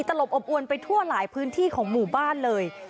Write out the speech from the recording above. ตลบอบอวนไปทั่วหลายพื้นที่ของหมู่บ้านเลย